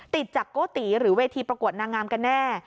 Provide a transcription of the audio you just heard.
ติดจากโกติหรือเวทีประกวดนางงามกันแน่